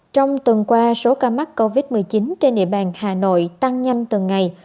trong tuần qua số ca mắc covid một mươi chín trên địa bàn hà nội tăng nhanh từng ngày